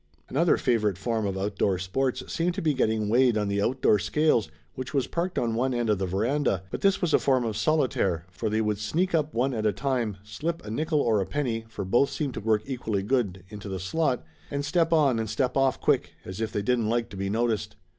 Another favorite form of outdoor sports seemed to be getting weighed on the outdoor scales which was parked on one end of the veranda, but this was a form of solitaire, for they would sneak up one at a time, slip a nickel or a penny, for both seemed to work equally good, into the slot, and step on and step off quick, as if they didn't like to be noticed.